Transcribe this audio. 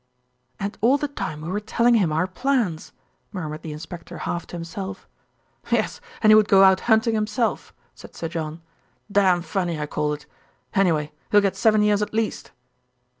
"And all the time we were telling him our plans," murmured the inspector half to himself. "Yes, and he would go out hunting himself," said Sir John. "Damn funny, I call it. Anyway, he'll get seven years at least."